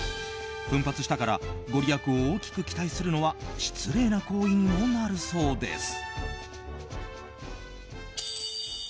奮発したからご利益を大きく期待するのは失礼な行為にもなるそうです。